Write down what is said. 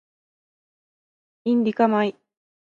インディカ米